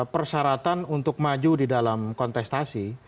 persyaratan untuk maju di dalam kontestasi